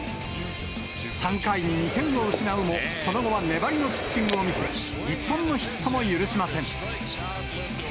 ３回に２点を失うも、その後は粘りのピッチングを見せ、一本のヒットも許しません。